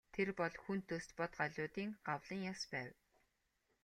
Тэр бол хүн төст бодгалиудын гавлын яс байв.